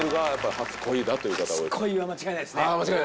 初恋は間違いないですね。